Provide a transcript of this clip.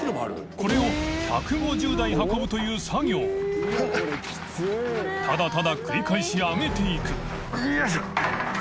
磴海譴１５０台運ぶという作業磴燭ただ繰り返し上げていく淵▲蕁よいしょ。